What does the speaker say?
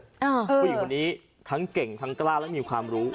ผู้หญิงคนนี้ทั้งเก่งทั้งกล้าและมีความรู้